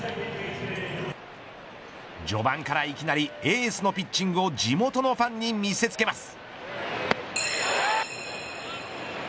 序盤からいきなりエースのピッチングを地元のファンに見せつけます。